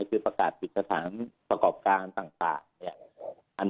ซึ่งประกาศวิครศาสตร์ประกอบการต่างปจ์ต่าง